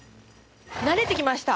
慣れてきました。